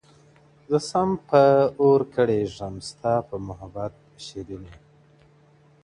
• زه سم پء اور کړېږم ستا په محبت شېرينې_